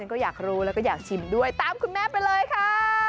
ก็อยากรู้แล้วก็อยากชิมด้วยตามคุณแม่ไปเลยค่ะ